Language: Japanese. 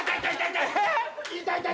痛い痛い！